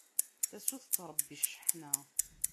Tasa ur tettṛebbi cceḥna.